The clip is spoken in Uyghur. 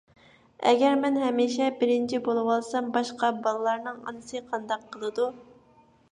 ئەگەر مەن ھەمىشە بىرىنچى بولۇۋالسام، باشقا بالىلارنىڭ ئانىسى قانداق قىلىدۇ؟